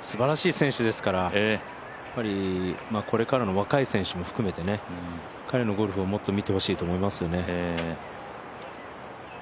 すばらしい選手ですからこれからの若い選手も含めて彼のゴルフをもっと見てほしいと思いますよね。